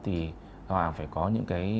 thì họ phải có những cái